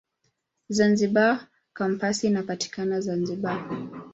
Zanzibar Kampasi inapatikana Zanzibar.